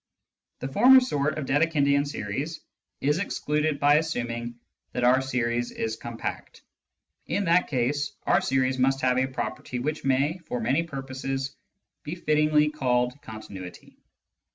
The former sort of Dedekindian series is excluded by assuming that our series is compact ; in that case our series must have a property which may, for many purposes, be fittingly called continuity.